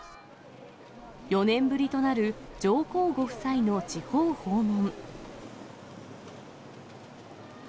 ４年ぶりとなる上皇ご夫妻の地方訪問。